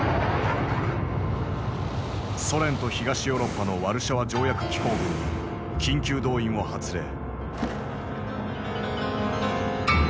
ソ連と東ヨーロッパのワルシャワ条約機構軍に緊急動員を発令。